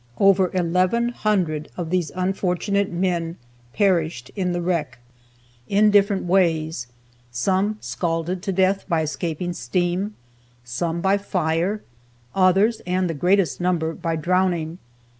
Over 1100 of these unfortunate men perished in the wreck, in different ways; some scalded to death by escaping steam, some by fire, others (and the greatest number) by drowning.